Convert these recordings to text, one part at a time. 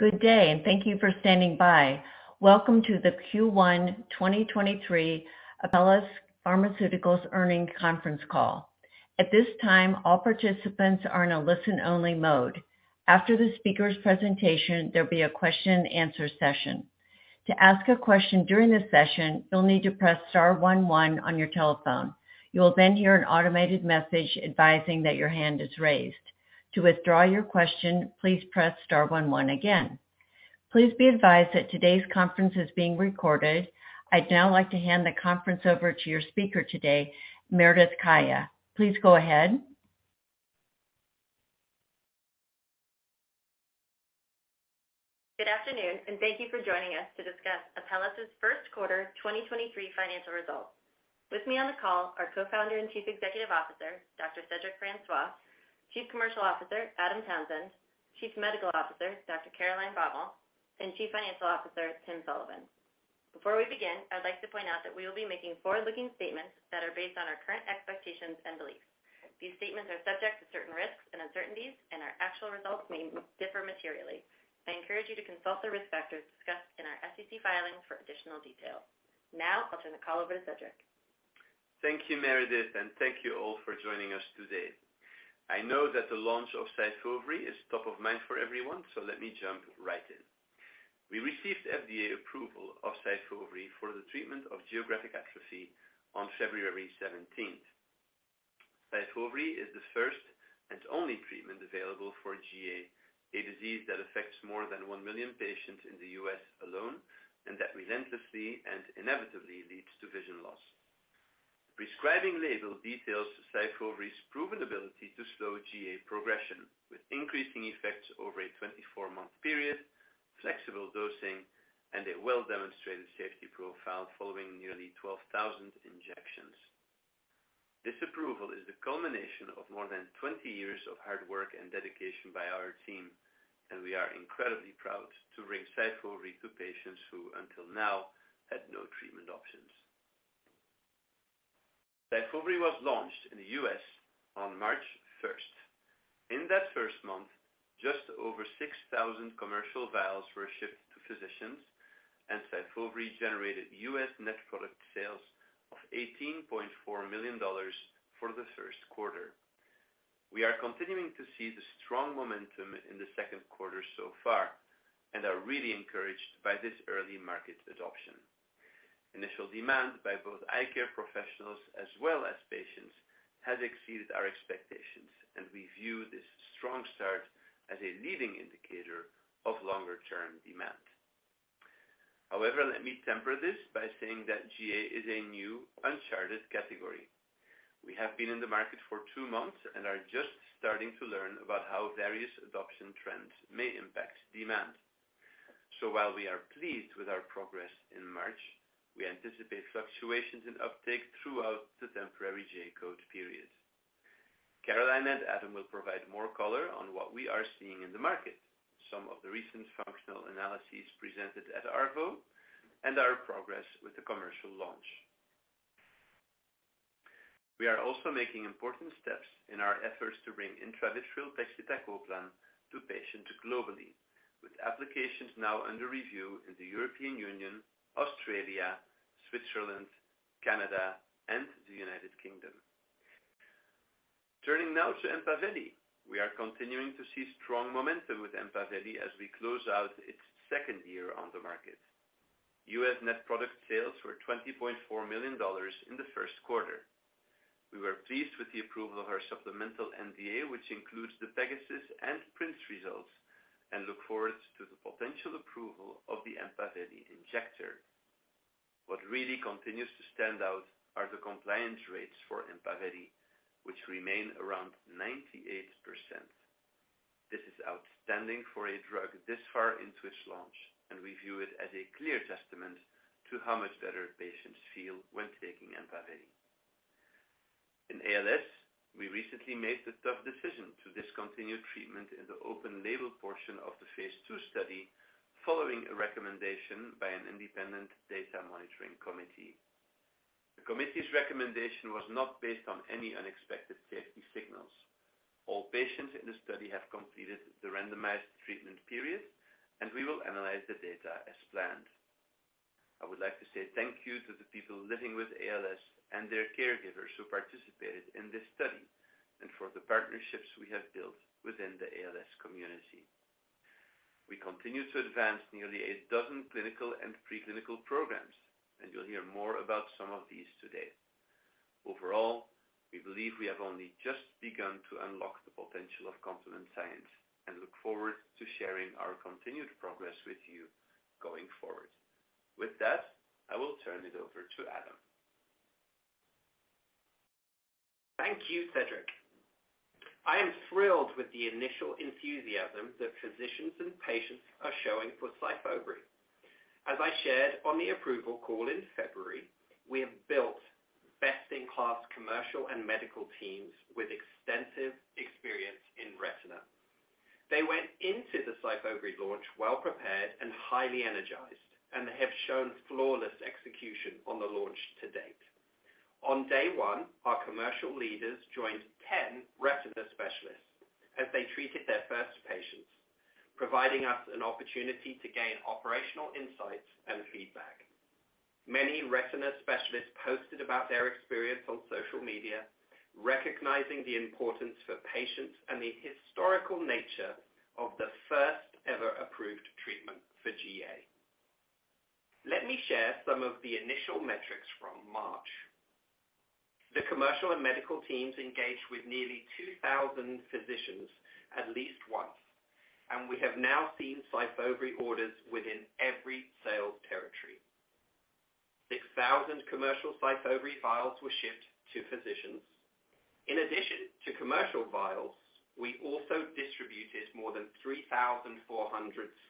Good day, and thank you for standing by. Welcome to the Q1 2023 Apellis Pharmaceuticals earnings conference call. At this time, all participants are on a listen-only mode. After the speaker's presentation, there'll be a question and answer session. To ask a question during this session, you'll need to press star 11 on your telephone. You will then hear an automated message advising that your hand is raised. To withdraw your question, please press star 11 again. Please be advised that today's conference is being recorded. I'd now like to hand the conference over to your speaker today, Meredith Kaya. Please go ahead. Good afternoon, and thank you for joining us to discuss Apellis' first quarter 2023 financial results. With me on the call are Co-founder and Chief Executive Officer, Dr. Cedric Francois, Chief Commercial Officer, Adam Townsend, Chief Medical Officer, Dr. Caroline Baumal, and Chief Financial Officer, Tim Sullivan. Before we begin, I'd like to point out that we will be making forward-looking statements that are based on our current expectations and beliefs. These statements are subject to certain risks and uncertainties, and our actual results may differ materially. I encourage you to consult the risk factors discussed in our SEC filings for additional detail. I'll turn the call over to Cedric. Thank you, Meredith, and thank you all for joining us today. I know that the launch of SYFOVRE is top of mind for everyone. Let me jump right in. We received FDA approval of SYFOVRE for the treatment of geographic atrophy on February 17th. SYFOVRE is the first and only treatment available for GA, a disease that affects more than one million patients in the U.S. alone and that relentlessly and inevitably leads to vision loss. Prescribing label details SYFOVRE's proven ability to slow GA progression with increasing effects over a 24-month period, flexible dosing, and a well-demonstrated safety profile following nearly 12,000 injections. This approval is the culmination of more than 20 years of hard work and dedication by our team, and we are incredibly proud to bring SYFOVRE to patients who, until now, had no treatment options. Syfovre was launched in the U.S. on March 1st. In that first month, just over 6,000 commercial vials were shipped to physicians and Syfovre generated U.S. net product sales of $18.4 million for the first quarter. We are continuing to see the strong momentum in the second quarter so far and are really encouraged by this early market adoption. Initial demand by both eye care professionals as well as patients has exceeded our expectations, and we view this strong start as a leading indicator of longer-term demand. However, let me temper this by saying that GA is a new, uncharted category. We have been in the market for two months and are just starting to learn about how various adoption trends may impact demand. While we are pleased with our progress in March, we anticipate fluctuations in uptake throughout the temporary J-code period. Caroline and Adam will provide more color on what we are seeing in the market. Some of the recent functional analyses presented at ARVO and our progress with the commercial launch. We are also making important steps in our efforts to bring intravitreal pegcetacoplan to patients globally with applications now under review in the European Union, Australia, Switzerland, Canada, and the United Kingdom. Turning now to Empaveli. We are continuing to see strong momentum with Empaveli as we close out its second year on the market. U.S. net product sales were $20.4 million in the first quarter. We were pleased with the approval of our sNDA, which includes the PEGASUS and PRINCE results, and look forward to the potential approval of the Empaveli injector. What really continues to stand out are the compliance rates for Empaveli, which remain around 98%. This is outstanding for a drug this far into its launch, and we view it as a clear testament to how much better patients feel when taking Empaveli. In ALS, we recently made the tough decision to discontinue treatment in the open label portion of the phase II study following a recommendation by an independent data monitoring committee. The committee's recommendation was not based on any unexpected safety signals. All patients in the study have completed the randomized treatment period, and we will analyze the data as planned. I would like to say thank you to the people living with ALS and their caregivers who participated in this study, and for the partnerships we have built within the ALS community. We continue to advance nearly 12 clinical and pre-clinical programs, and you'll hear more about some of these today. Overall, we believe we have only just begun to unlock the potential of complement science and look forward to sharing our continued progress with you going forward. With that, I will turn it over to Adam. Thank you, Cedric. I am thrilled with the initial enthusiasm that physicians and patients are showing for SYFOVRE. As I shared on the approval call in February, we have built best-in-class commercial and medical teams with extensive experience in retina. They went into the SYFOVRE launch well-prepared and highly energized and have shown flawless execution on the launch to date. On day one, our commercial leaders joined 10 retina specialists as they treated their first patients, providing us an opportunity to gain operational insights and feedback. Many retina specialists posted about their experience on social media, recognizing the importance for patients and the historical nature of the first ever approved treatment for GA. Let me share some of the initial metrics from March. The commercial and medical teams engaged with nearly 2,000 physicians at least once, and we have now seen SYFOVRE orders within every sales territory. 6,000 commercial SYFOVRE vials were shipped to physicians. In addition to commercial vials, we also distributed more than 3,400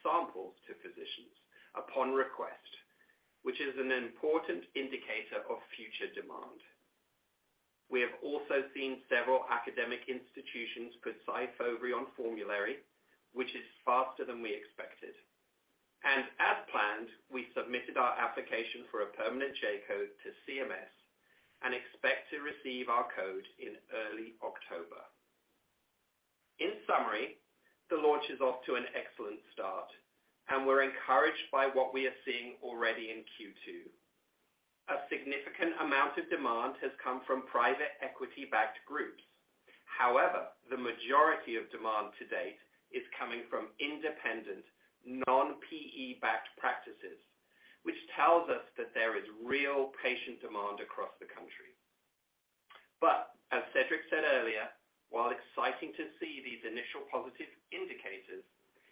samples to physicians upon request, which is an important indicator of future demand. As planned, we submitted our application for a permanent J-code to CMS and expect to receive our code in early October. In summary, the launch is off to an excellent start, and we're encouraged by what we are seeing already in Q2. A significant amount of demand has come from private equity-backed groups. However, the majority of demand to date is coming from independent, non-PE-backed practices, which tells us that there is real patient demand across the country. As Cedric said earlier, while exciting to see these initial positive indicators,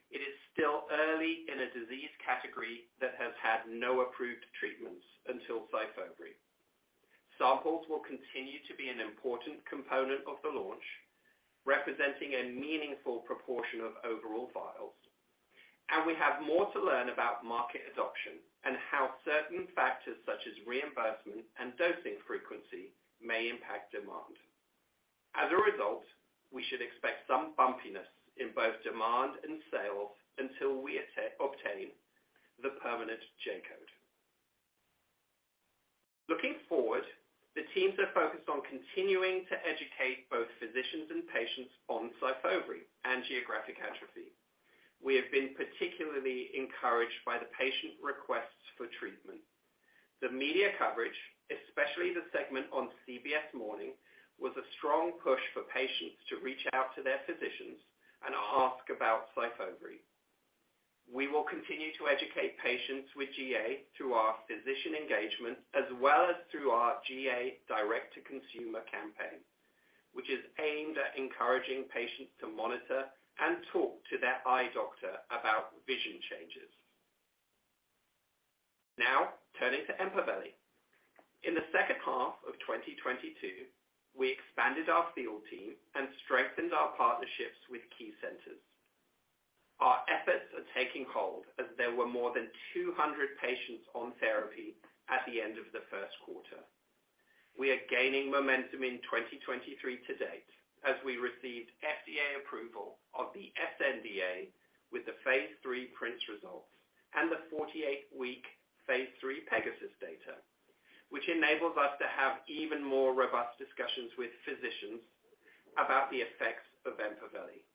it is still early in a disease category that has had no approved treatments until SYFOVRE. Samples will continue to be an important component of the launch, representing a meaningful proportion of overall vials. We have more to learn about market adoption and how certain factors such as reimbursement and dosing frequency may impact demand. As a result, we should expect some bumpiness in both demand and sales until we obtain the permanent J-code. Looking forward, the teams are focused on continuing to educate both physicians and patients on SYFOVRE and geographic atrophy. We have been particularly encouraged by the patient requests for treatment. The media coverage, especially the segment on CBS Mornings, was a strong push for patients to reach out to their physicians and ask about SYFOVRE. We will continue to educate patients with GA through our physician engagement as well as through our GA direct-to-consumer campaign, which is aimed at encouraging patients to monitor and talk to their eye doctor about vision changes. Now, turning to Empaveli. In the second half of 2022, we expanded our field team and strengthened our partnerships with key centers. Our efforts are taking hold as there were more than 200 patients on therapy at the end of the first quarter. We are gaining momentum in 2023 to date as we received FDA approval of the sNDA with the phase III PRINCE results and the 48-week phase III PEGASUS data, which enables us to have even more robust discussions with physicians about the effects of Empaveli.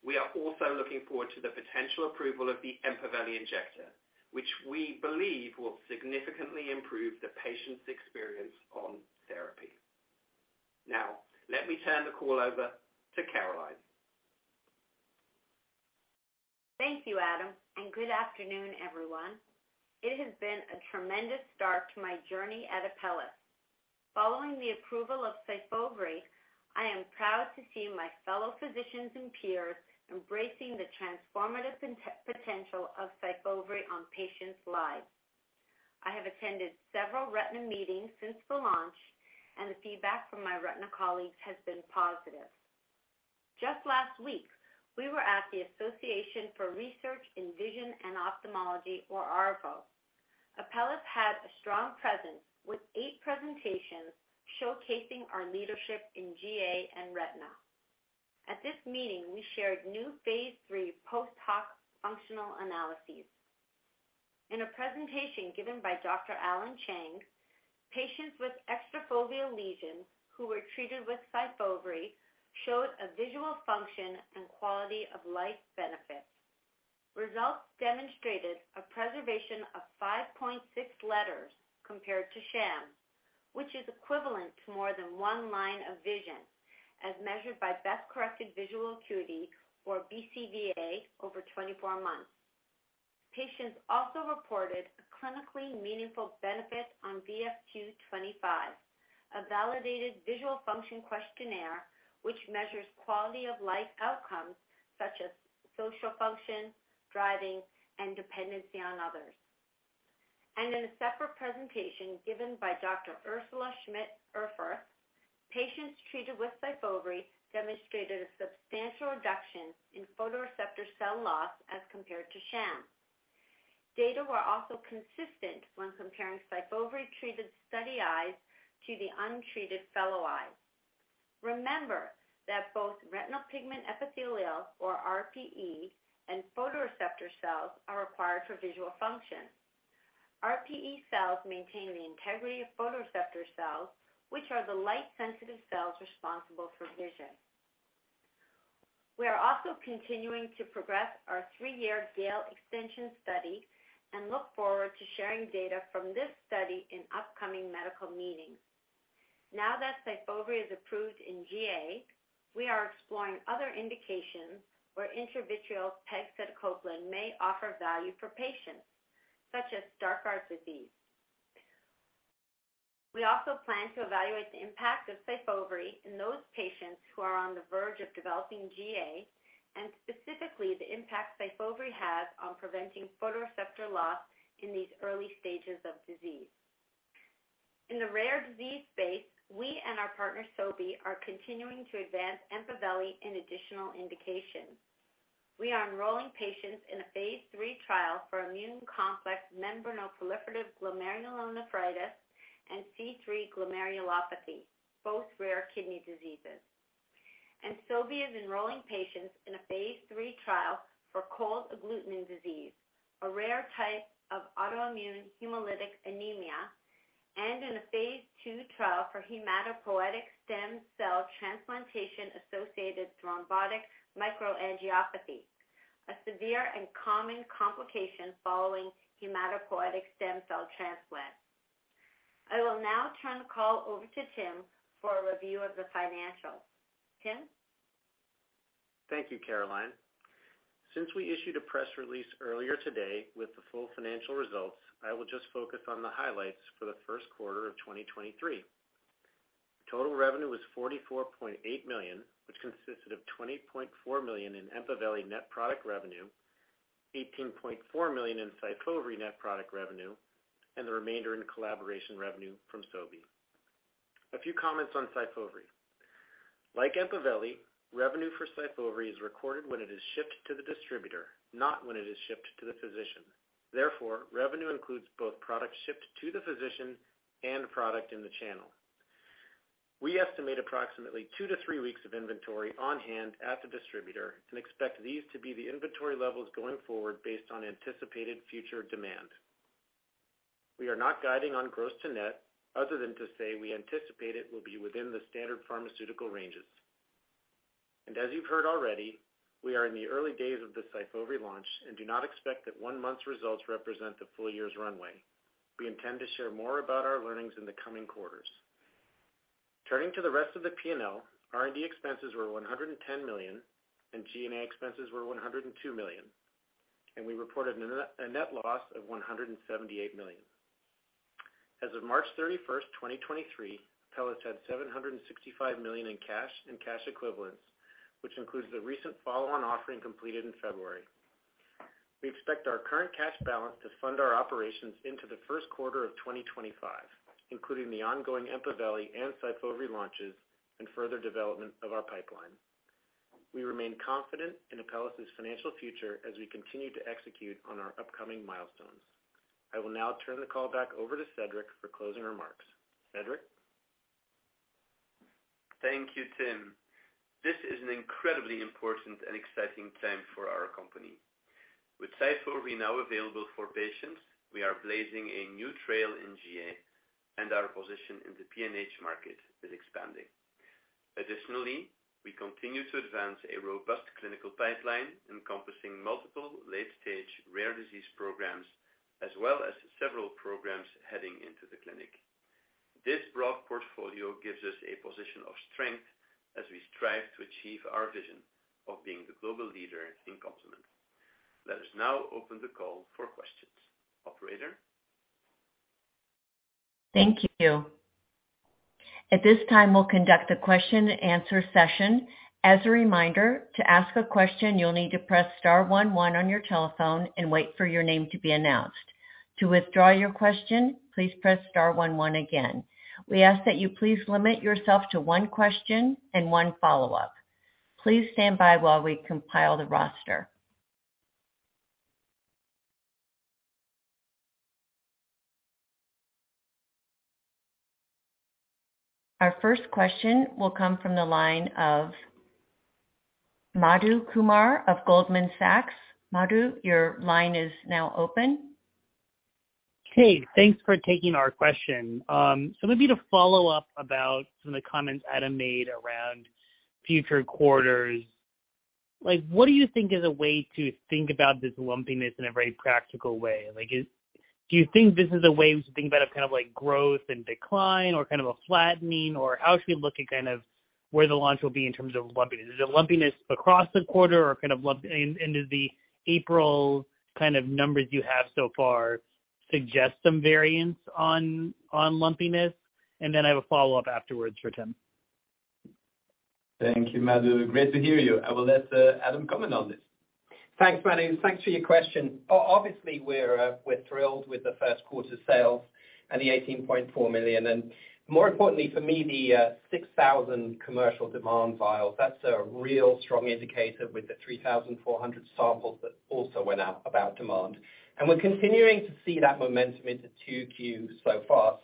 We are also looking forward to the potential approval of the Empaveli injector, which we believe will significantly improve the patient's experience on therapy. Let me turn the call over to Caroline. Thank you, Adam. Good afternoon, everyone. It has been a tremendous start to my journey at Apellis. Following the approval of SYFOVRE, I am proud to see my fellow physicians and peers embracing the transformative potential of SYFOVRE on patients' lives. I have attended several retina meetings since the launch. The feedback from my retina colleagues has been positive. Just last week, we were at the Association for Research in Vision and Ophthalmology, or ARVO. Apellis had a strong presence with eight presentations showcasing our leadership in GA and retina. At this meeting, we shared new phase III post-hoc functional analyses. In a presentation given by Dr. Alan Chang, patients with extrafoveal lesions who were treated with SYFOVRE showed a visual function and quality-of-life benefit. Results demonstrated a preservation of 5.6 letters compared to sham, which is equivalent to more than one line of vision as measured by Best Corrected Visual Acuity, or BCVA, over 24 months. Patients also reported a clinically meaningful benefit on VFQ-25, a validated visual function questionnaire which measures quality-of-life outcomes such as social function, driving, and dependency on others. In a separate presentation given by Dr. Ursula Schmidt-Erfurth, patients treated with SYFOVRE demonstrated a substantial reduction in photoreceptor cell loss as compared to sham. Data were also consistent when comparing SYFOVRE-treated study eyes to the untreated fellow eyes. Remember that both retinal pigment epithelial or RPE and photoreceptor cells are required for visual function. RPE cells maintain the integrity of photoreceptor cells, which are the light-sensitive cells responsible for vision. We are also continuing to progress our three-year GAIL extension study and look forward to sharing data from this study in upcoming medical meetings. Now that SYFOVRE is approved in GA, we are exploring other indications where intravitreal pegcetacoplan may offer value for patients such as Stargardt disease. We also plan to evaluate the impact of SYFOVRE in those patients who are on the verge of developing GA and specifically the impact SYFOVRE has on preventing photoreceptor loss in these early stages of disease. In the rare disease space, we and our partner, Sobi, are continuing to advance Empaveli in additional indications. We are enrolling patients in a phase III trial for immune complex membranoproliferative glomerulonephritis and C3 glomerulopathy, both rare kidney diseases. Sobi is enrolling patients in a phase III trial for cold agglutinin disease, a rare type of autoimmune hemolytic anemia, and in a phase II trial for hematopoietic stem cell transplantation-associated thrombotic microangiopathy, a severe and common complication following hematopoietic stem cell transplant. I will now turn the call over to Tim for a review of the financials. Tim? Thank you, Caroline. Since we issued a press release earlier today with the full financial results, I will just focus on the highlights for the first quarter of 2023. Total revenue was $44.8 million, which consisted of $20.4 million in Empaveli net product revenue, $18.4 million in SYFOVRE net product revenue, and the remainder in collaboration revenue from Sobi. A few comments on SYFOVRE. Like Empaveli, revenue for SYFOVRE is recorded when it is shipped to the distributor, not when it is shipped to the physician. Therefore, revenue includes both product shipped to the physician and product in the channel. We estimate approximately two to three weeks of inventory on hand at the distributor and expect these to be the inventory levels going forward based on anticipated future demand. We are not guiding on gross to net other than to say we anticipate it will be within the standard pharmaceutical ranges. As you've heard already, we are in the early days of the SYFOVRE launch and do not expect that one month's results represent the full year's runway. We intend to share more about our learnings in the coming quarters. Turning to the rest of the P&L, R&D expenses were $110 million, and G&A expenses were $102 million, and we reported a net loss of $178 million. As of March 31st, 2023, Apellis had $765 million in cash and cash equivalents, which includes the recent follow-on offering completed in February. We expect our current cash balance to fund our operations into the first quarter of 2025, including the ongoing Empaveli and SYFOVRE launches and further development of our pipeline. We remain confident in Apellis' financial future as we continue to execute on our upcoming milestones. I will now turn the call back over to Cedric for closing remarks. Cedric? Thank you, Tim. This is an incredibly important and exciting time for our company. With SYFOVRE now available for patients, we are blazing a new trail in GA and our position in the PNH market is expanding. Additionally, we continue to advance a robust clinical pipeline encompassing multiple late-stage rare disease programs, as well as several programs heading into the clinic. This broad portfolio gives us a position of strength as we strive to achieve our vision of being the global leader in complement. Let us now open the call for questions. Operator? Thank you. At this time, we'll conduct a question and answer session. As a reminder, to ask a question, you'll need to press star one one on your telephone and wait for your name to be announced. To withdraw your question, please press star one one again. We ask that you please limit yourself to one question and one follow-up. Please stand by while we compile the roster. Our first question will come from the line of Madhu Kumar of Goldman Sachs. Madhu, your line is now open. Hey, thanks for taking our question. Maybe to follow up about some of the comments Adam made around future quarters. Like, what do you think is a way to think about this lumpiness in a very practical way? Do you think this is a way to think about it kind of like growth and decline or kind of a flattening? How should we look at kind of where the launch will be in terms of lumpiness? Is it lumpiness across the quarter and do the April kind of numbers you have so far suggest some variance on lumpiness? Then I have a follow-up afterwards for Tim. Thank you, Madhu. Great to hear you. I will let Adam comment on this. Thanks, Madhu. Thanks for your question. Obviously, we're thrilled with the first quarter sales and the $18.4 million. More importantly for me, the 6,000 commercial demand vials. That's a real strong indicator with the 3,400 samples that also went out about demand. We're continuing to see that momentum into 2Q so far.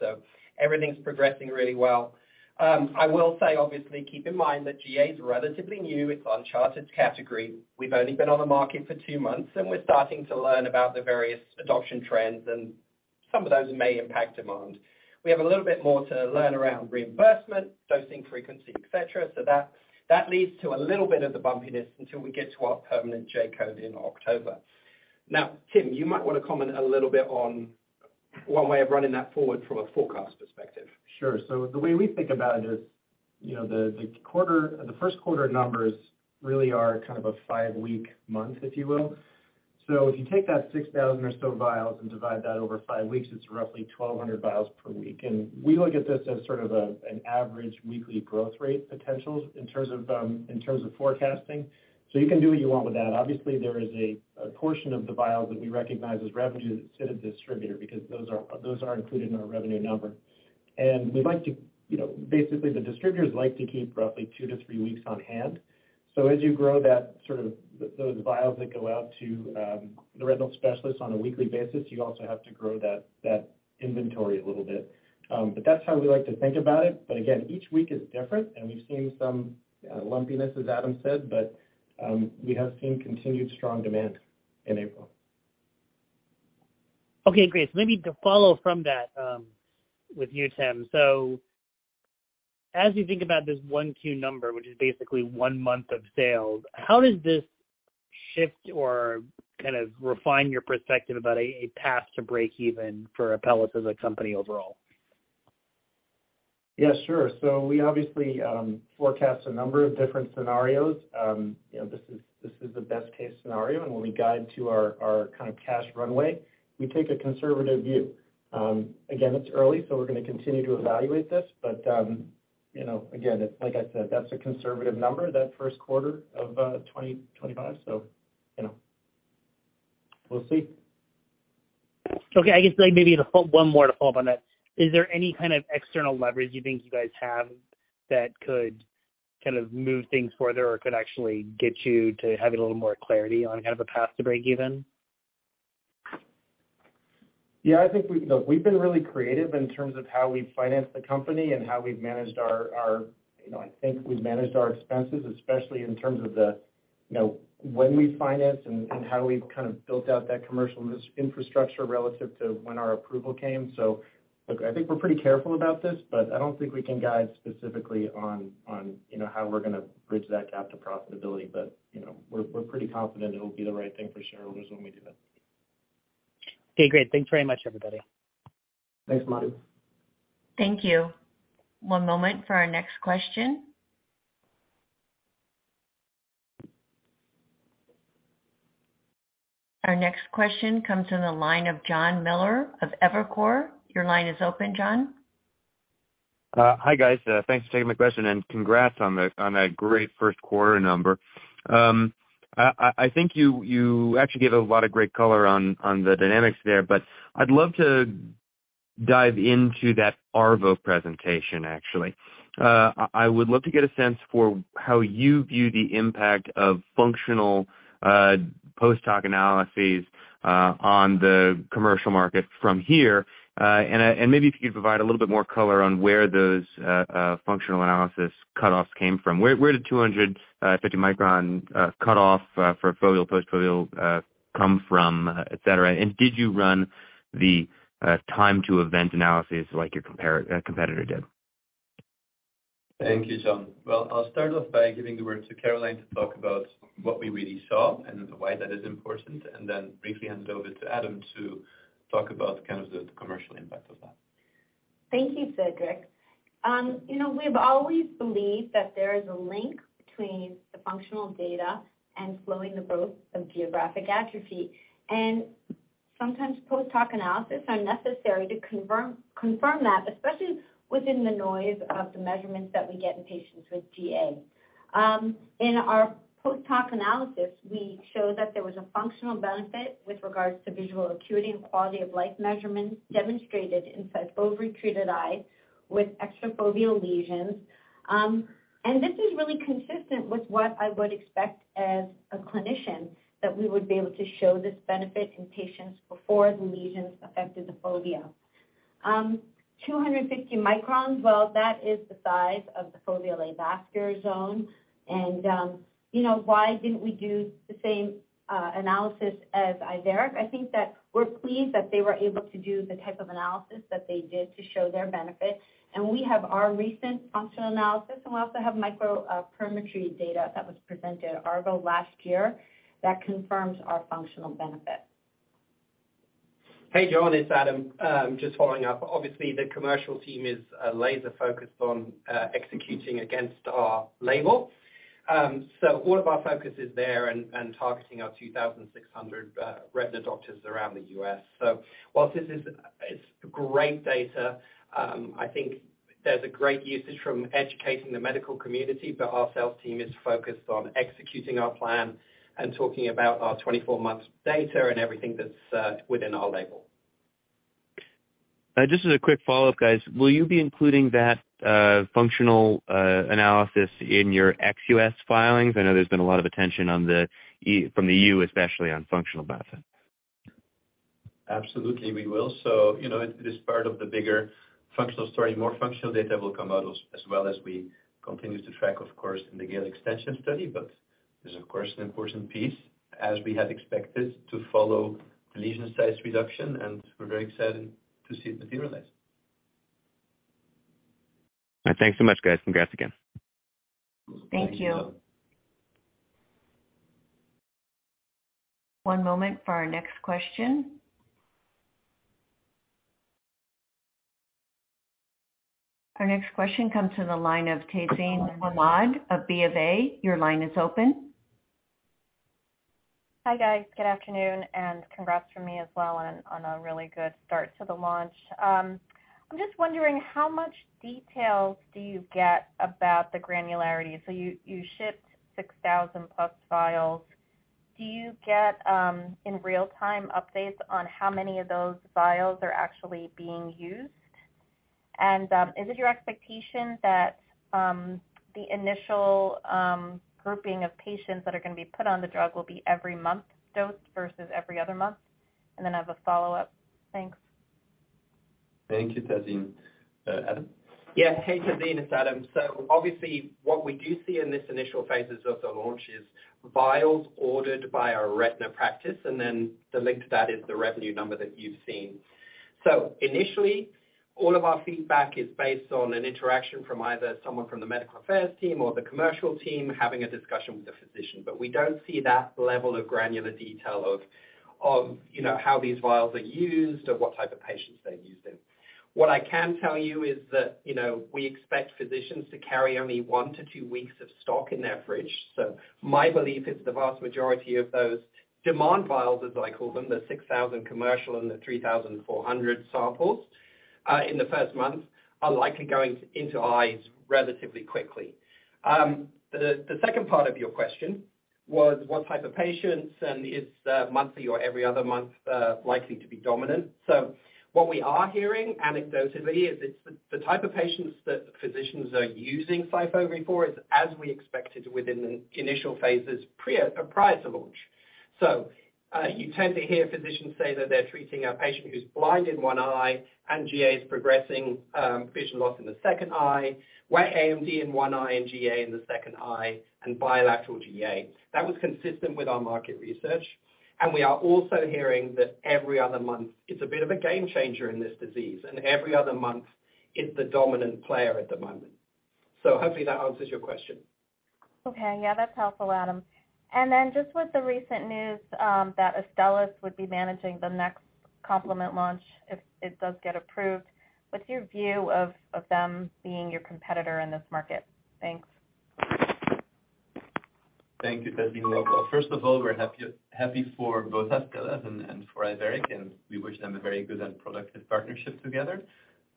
Everything's progressing really well. I will say, obviously, keep in mind that GA is a relatively new, it's uncharted category. We've only been on the market for two months. We're starting to learn about the various adoption trends. Some of those may impact demand. We have a little bit more to learn around reimbursement, dosing frequency, et cetera. That leads to a little bit of the bumpiness until we get to our permanent J-code in October. Tim, you might want to comment a little bit on one way of running that forward from a forecast perspective. Sure. The way we think about it is, the first quarter numbers really are kind of a five-week month, if you will. If you take that 6,000 or so vials and divide that over five weeks, it's roughly 1,200 vials per week. We look at this as sort of an average weekly growth rate potential in terms of forecasting. You can do what you want with that. Obviously, there is a portion of the vials that we recognize as revenue that sit at the distributor because those are, those aren't included in our revenue number. We'd like to, basically, the distributors like to keep roughly two to three weeks on hand. As you grow that sort of those vials that go out to the retinal specialists on a weekly basis, you also have to grow that inventory a little bit. That's how we like to think about it. Again, each week is different, and we've seen some lumpiness, as Adam said, but we have seen continued strong demand in April. Okay, great. Maybe to follow from that, with you, Tim. As you think about this 1 Q number, which is basically 1 month of sales, how does this shift or kind of refine your perspective about a path to break even for Apellis as a company overall? Yeah, sure. We obviously forecast a number of different scenarios. You know, this is the best-case scenario. When we guide to our kind of cash runway, we take a conservative view. Again, it's early, so we're going to continue to evaluate this. You know, again, like I said, that's a conservative number, that first quarter of 2025. You know, we'll see. I guess, like, maybe one more to follow up on that. Is there any kind of external leverage you think you guys have that could kind of move things further or could actually get you to have a little more clarity on kind of a path to break even? Look, we've been really creative in terms of how we finance the company and how we've managed our, you know, I think we've managed our expenses, especially in terms of the, you know, when we finance and how we've kind of built out that commercial infrastructure relative to when our approval came. Look, I think we're pretty careful about this, but I don't think we can guide specifically on, you know, how we're going to bridge that gap to profitability. But, you know, we're pretty confident it'll be the right thing for shareholders when we do that. Okay, great. Thanks very much, everybody. Thanks, Madhu. Thank you. One moment for our next question. Our next question comes in the line of Jon Miller of Evercore. Your line is open, Jon. Hi, guys. Thanks for taking my question, and congrats on a great first quarter number. I think you actually gave a lot of great color on the dynamics there, but I'd love to dive into that ARVO presentation, actually. I would love to get a sense for how you view the impact of functional post-hoc analyses on the commercial market from here. Maybe if you could provide a little bit more color on where those functional analysis cutoffs came from. Where did 250 micron cutoff for foveal post foveal come from, et cetera? Did you run the time to event analysis like your competitor did? Thank you, Jon. Well, I'll start off by giving the word to Caroline to talk about what we really saw and why that is important, and then briefly hand it over to Adam to talk about kind of the commercial impact of that. Thank you, Cedric. You know, we've always believed that there is a link between the functional data and slowing the growth of geographic atrophy. Sometimes post-hoc analysis are necessary to confirm that, especially within the noise of the measurements that we get in patients with GA. In our post-hoc analysis, we showed that there was a functional benefit with regards to visual acuity and quality of life measurements demonstrated inside both retreated eyes with extra foveal lesions. This is really consistent with what I would expect as a clinician, that we would be able to show this benefit in patients before the lesions affected the fovea. 250 microns, well, that is the size of the foveal avascular zone. You know, why didn't we do the same analysis as Iveric? I think that we're pleased that they were able to do the type of analysis that they did to show their benefit. We have our recent functional analysis, and we also have microperimetry data that was presented at ARVO last year that confirms our functional benefit. Hey, Jon, it's Adam. Just following up. Obviously, the commercial team is laser-focused on executing against our label. All of our focus is there and targeting our 2,600 retina doctors around the U.S. Whilst this is, it's great data, I think there's a great usage from educating the medical community, but our sales team is focused on executing our plan and talking about our 24 months data and everything that's within our label. Just as a quick follow-up, guys. Will you be including that functional analysis in your ex-U.S. filings? I know there's been a lot of attention from the E.U., especially on functional benefit. Absolutely, we will. You know, it is part of the bigger functional story. More functional data will come out as well as we continue to track, of course, in the GAIL extension study. It's of course an important piece as we had expected to follow the lesion size reduction, and we're very excited to see it materialize. All right. Thanks so much, guys. Congrats again. Thank you. Thank you. One moment for our next question. Our next question comes from the line of Tazeen Ahmad of Bank of America. Your line is open. Hi, guys. Good afternoon, and congrats from me as well on a really good start to the launch. I'm just wondering how much details do you get about the granularity. So you shipped 6,000+ vials. Do you get in real time updates on how many of those vials are actually being used? Is it your expectation that the initial grouping of patients that are gonna be put on the drug will be every month dose versus every other month? Then I have a follow-up. Thanks. Thank you, Tazeen. Adam? Yeah. Hey, Tazeen, it's Adam. Obviously what we do see in this initial phases of the launch is vials ordered by our retina practice and then the link to that is the revenue number that you've seen. Initially, all of our feedback is based on an interaction from either someone from the medical affairs team or the commercial team having a discussion with the physician. We don't see that level of granular detail of, you know, how these vials are used or what type of patients they're used in. What I can tell you is that, you know, we expect physicians to carry only one to two weeks of stock in their fridge. My belief is the vast majority of those demand vials, as I call them, the 6,000 commercial and the 3,400 samples in the first month are likely going into eyes relatively quickly. The second part of your question was what type of patients and is monthly or every other month likely to be dominant. What we are hearing anecdotally is it's the type of patients that physicians are using SYFOVRE for is as we expected within the initial phases prior to launch. You tend to hear physicians say that they're treating a patient who's blind in one eye and GA is progressing, vision loss in the second eye, wet AMD in one eye and GA in the second eye and bilateral GA. That was consistent with our market research. We are also hearing that every other month is a bit of a game changer in this disease, and every other month is the dominant player at the moment. Hopefully that answers your question. Yeah, that's helpful, Adam. Just with the recent news, that Astellas would be managing the next complement launch if it does get approved, what's your view of them being your competitor in this market? Thanks. Thank you, Tazeen. Well, first of all, we're happy for both Astellas and for Iveric, and we wish them a very good and productive partnership together.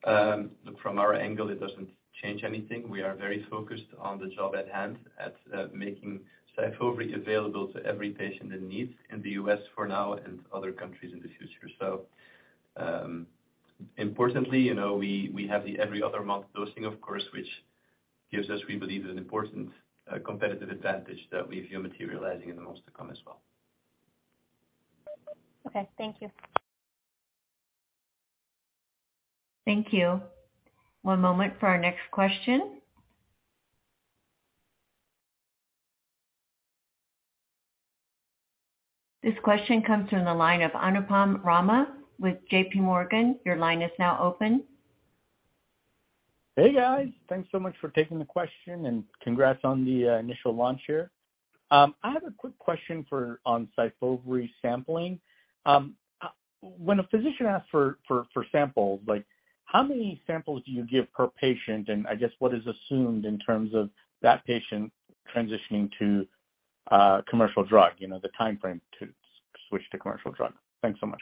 Look, from our angle, it doesn't change anything. We are very focused on the job at hand at making SYFOVRE available to every patient in need in the U.S. for now and other countries in the future. Importantly, you know, we have the every other month dosing of course, which gives us, we believe, an important competitive advantage that we view materializing in the months to come as well. Okay, thank you. Thank you. One moment for our next question. This question comes from the line of Anupam Rama with J.P. Morgan. Your line is now open. Hey, guys. Thanks so much for taking the question and congrats on the initial launch here. I have a quick question on SYFOVRE sampling. When a physician asks for samples, like how many samples do you give per patient? I guess what is assumed in terms of that patient transitioning to commercial drug, you know, the timeframe to switch to commercial drug. Thanks so much.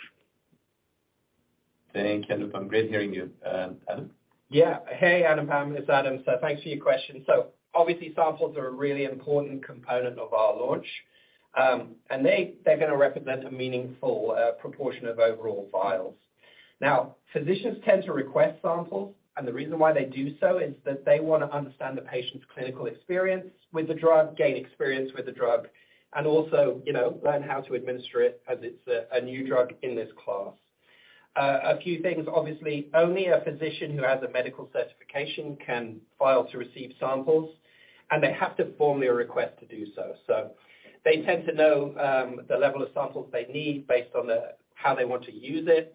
Thanks, Anupam. Great hearing you. Adam? Hey, Anupam, it's Adam. Thanks for your question. Obviously, samples are a really important component of our launch. They're gonna represent a meaningful proportion of overall vials. Now, physicians tend to request samples, and the reason why they do so is that they wanna understand the patient's clinical experience with the drug, gain experience with the drug and also, you know, learn how to administer it as it's a new drug in this class. A few things, obviously, only a physician who has a medical certification can file to receive samples, and they have to formally request to do so. They tend to know the level of samples they need based on how they want to use it.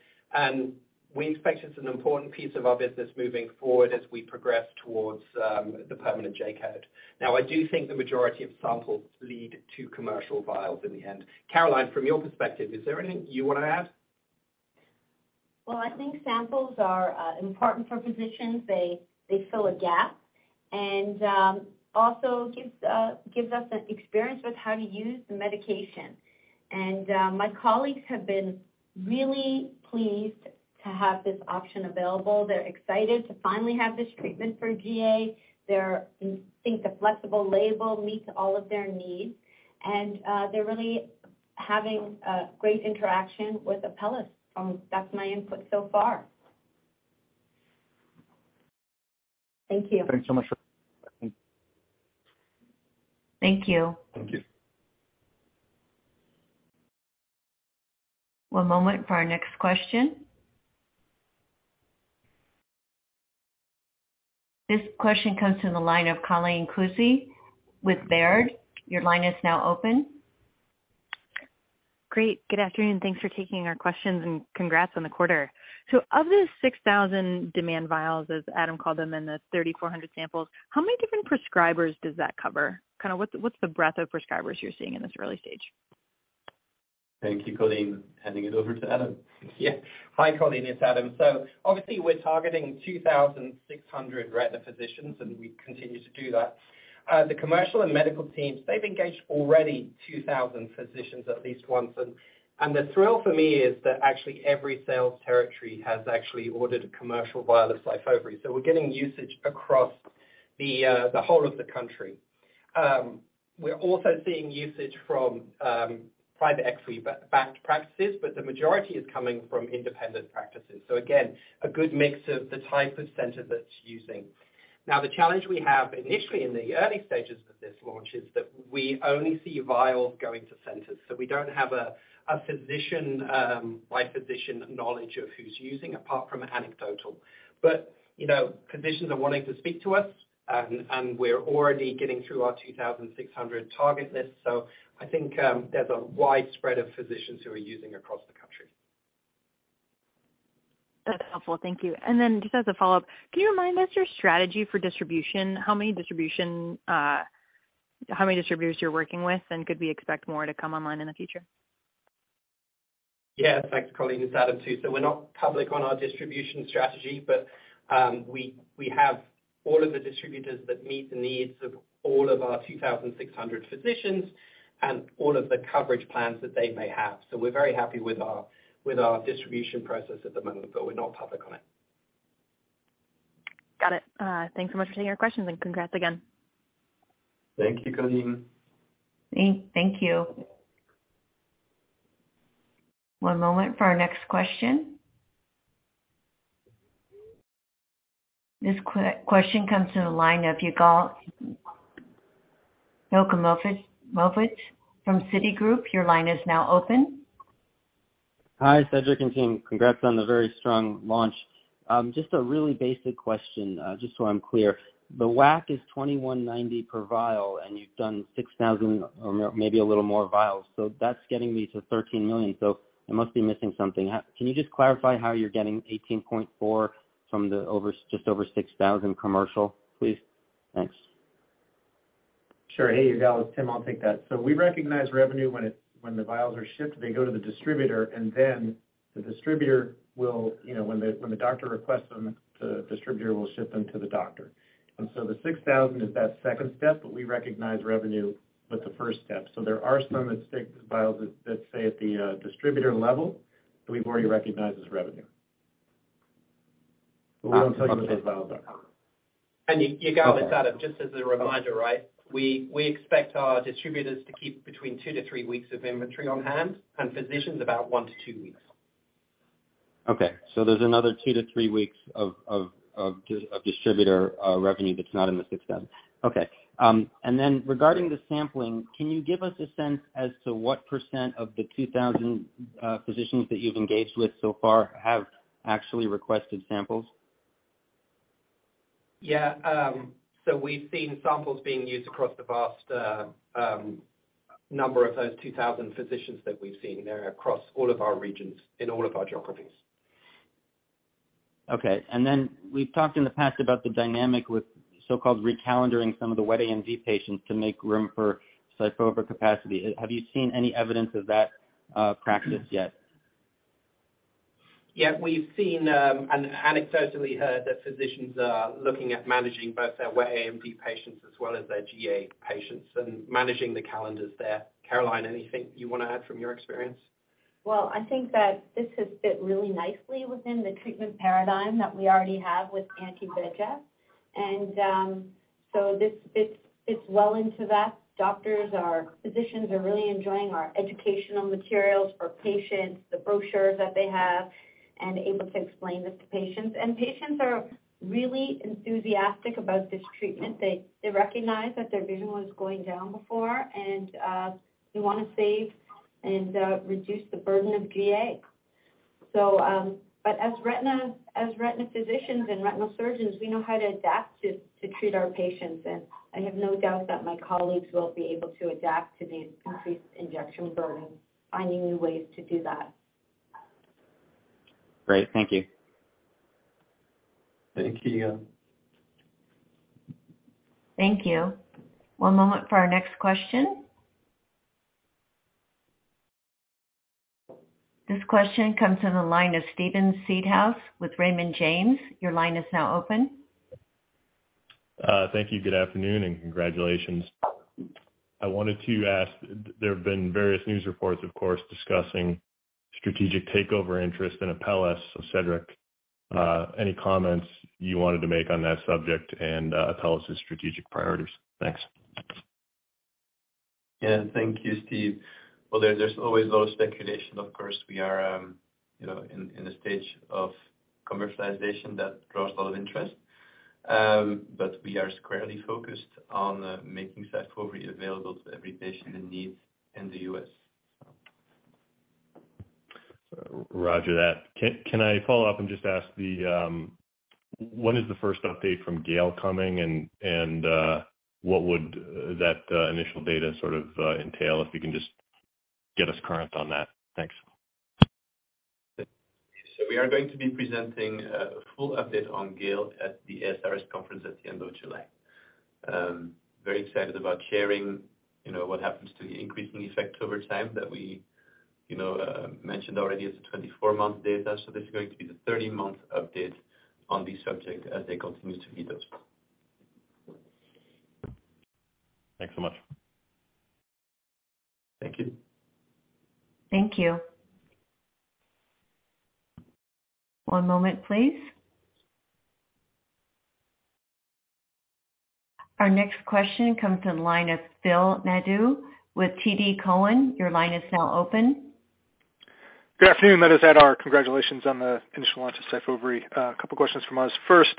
We expect it's an important piece of our business moving forward as we progress towards the permanent J-code. I do think the majority of samples lead to commercial vials in the end. Caroline, from your perspective, is there anything you wanna add? Well, I think samples are important for physicians. They fill a gap and also gives us the experience with how to use the medication. My colleagues have been really pleased to have this option available. They're excited to finally have this treatment for GA. They think the flexible label meets all of their needs, they're really having a great interaction with Apellis. That's my input so far. Thank you. Thanks so much. Thank you. Thank you. One moment for our next question. This question comes from the line of Colleen Kusy with Baird. Your line is now open. Great. Good afternoon. Thanks for taking our questions, and congrats on the quarter. Of the 6,000 demand vials, as Adam called them, and the 3,400 samples, how many different prescribers does that cover? Kind of what's the breadth of prescribers you're seeing in this early stage? Thank you, Colleen. Handing it over to Adam. Yeah. Hi, Colleen, it's Adam. Obviously we're targeting 2,600 retina physicians, and we continue to do that. The commercial and medical teams, they've engaged already 2,000 physicians at least once. The thrill for me is that actually every sales territory has actually ordered a commercial vial of SYFOVRE. We're getting usage across the whole of the country. We're also seeing usage from private equity backed practices, the majority is coming from independent practices. Again, a good mix of the type of center that's using. Now, the challenge we have initially in the early stages of this launch is that we only see vials going to centers. We don't have a physician by physician knowledge of who's using apart from anecdotal. You know, physicians are wanting to speak to us. We're already getting through our 2,600 target list. I think there's a wide spread of physicians who are using across the country. That's helpful. Thank you. Then just as a follow-up, can you remind us your strategy for distribution, how many distributors you're working with, and could we expect more to come online in the future? Yeah. Thanks, Colleen. It's Adam too. We're not public on our distribution strategy, but we have all of the distributors that meet the needs of all of our 2,600 physicians and all of the coverage plans that they may have. We're very happy with our distribution process at the moment, but we're not public on it. Got it. Thanks so much for taking our questions and congrats again. Thank you, Colleen. Thank you. One moment for our next question. This question comes to the line of Yigal Milkovich from Citigroup. Your line is now open. Hi, Cedric and team. Congrats on the very strong launch. just a really basic question, just so I'm clear. The WAC is $2,190 per vial, and you've done 6,000 or maybe a little more vials. That's getting me to $13 million, I must be missing something. Can you just clarify how you're getting $18.4 from the just over 6,000 commercial, please? Thanks. Sure. Hey, Yigal. It's Tim, I'll take that. We recognize revenue when the vials are shipped, they go to the distributor, and then the distributor will, you know, when the doctor requests them, the distributor will ship them to the doctor. The $6,000 is that second step, but we recognize revenue with the first step. There are some at stake vials that stay at the distributor level that we've already recognized as revenue. We won't tell you those vials are. Yigal, it's Adam. Just as a reminder, right? We expect our distributors to keep between two to three weeks of inventory on hand and physicians about one to two weeks. Okay. There's another two to three weeks of distributor revenue that's not in the 6,000. Okay. Regarding the sampling, can you give us a sense as to what % of the 2,000 physicians that you've engaged with so far have actually requested samples? Yeah. We've seen samples being used across the vast number of those 2,000 physicians that we've seen. They're across all of our regions in all of our geographies. Okay. We've talked in the past about the dynamic with so-called re-calendaring some of the wet AMD patients to make room for SYFOVRE capacity. Have you seen any evidence of that practice yet? Yeah. We've seen, and anecdotally heard that physicians are looking at managing both their wet AMD patients as well as their GA patients and managing the calendars there. Caroline, anything you wanna add from your experience? I think that this has fit really nicely within the treatment paradigm that we already have with anti-VEGF. This fits well into that. Physicians are really enjoying our educational materials for patients, the brochures that they have, and able to explain this to patients. Patients are really enthusiastic about this treatment. They recognize that their vision was going down before, and we wanna save and reduce the burden of GA. But as retina physicians and retinal surgeons, we know how to adapt to treat our patients. I have no doubt that my colleagues will be able to adapt to the increased injection burden, finding new ways to do that. Great. Thank you. Thank you, Yigal. Thank you. One moment for our next question. This question comes in the line of Steven Seedhouse with Raymond James. Your line is now open. Thank you. Good afternoon, and congratulations. I wanted to ask, there have been various news reports, of course, discussing strategic takeover interest in Apellis. Cedric, any comments you wanted to make on that subject and Apellis' strategic priorities? Thanks. Yeah. Thank you, Steve. Well, there's always a lot of speculation. Of course, we are, you know, in a stage of commercialization that draws a lot of interest. We are squarely focused on making SYFOVRE available to every patient in need in the U.S. Roger that. Can I follow up and just ask the when is the first update from GAIL coming? What would that initial data sort of entail? If you can just get us current on that. Thanks. We are going to be presenting a full update on GAIL at the ASRS conference at the end of July. Very excited about sharing, you know, what happens to the increasing effect over time that we, you know, mentioned already as the 24-month data. This is going to be the 30-month update on the subject as they continue to be dosed. Thanks so much. Thank you. Thank you. One moment, please. Our next question comes to the line of Phil Nadeau with TD Cowen. Your line is now open. Good afternoon. Let us add our congratulations on the initial launch of SYFOVRE. A couple questions from us. First,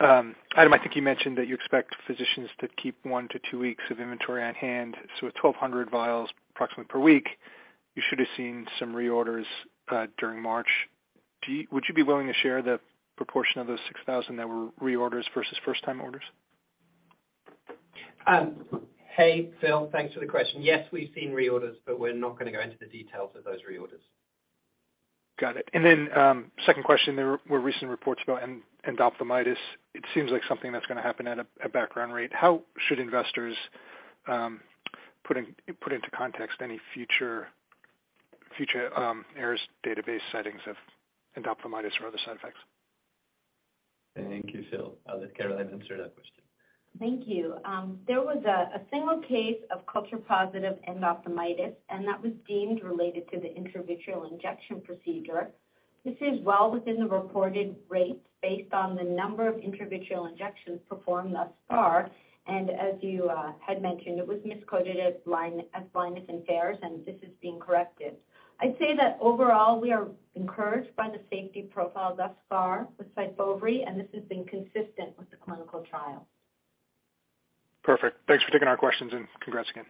Adam, I think you mentioned that you expect physicians to keep one to two weeks of inventory on hand. At 1,200 vials approximately per week, you should have seen some reorders during March. Would you be willing to share the proportion of those 6,000 that were reorders versus first-time orders? Hey, Phil. Thanks for the question. Yes, we've seen reorders. We're not gonna go into the details of those reorders. Got it. Then, second question, there were recent reports about endophthalmitis. It seems like something that's gonna happen at a background rate. How should investors put into context any future errors database sightings of endophthalmitis or other side effects? Thank you, Phil. I'll let Caroline answer that question. Thank you. There was a single case of culture-positive endophthalmitis, and that was deemed related to the intravitreal injection procedure. This is well within the reported rate based on the number of intravitreal injections performed thus far. As you had mentioned, it was miscoded as bilateral, not otherwise specified, and this is being corrected. I'd say that overall, we are encouraged by the safety profile thus far with SYFOVRE, and this has been consistent with the clinical trial. Perfect. Thanks for taking our questions, and congrats again.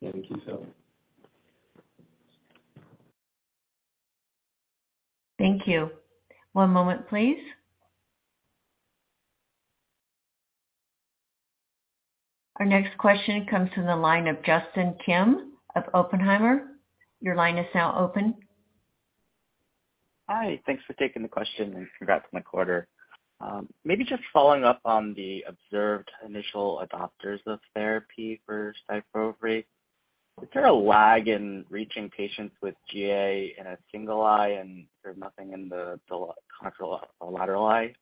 Yeah, thank you, Phil. Thank you. One moment, please. Our next question comes from the line of Justin Kim of Oppenheimer. Your line is now open. Hi. Thanks for taking the question. Congrats on the quarter. Maybe just following up on the observed initial adopters of therapy for SYFOVRE. Is there a lag in reaching patients with GA in a single eye, and there's nothing in the lateral eye?